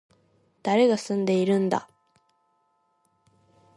誰が住んでいるんだ